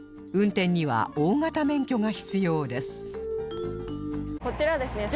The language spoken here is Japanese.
運転には大型免許が必要です